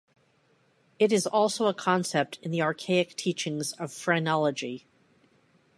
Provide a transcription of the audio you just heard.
It is also a concept in the archaic teachings of phrenology.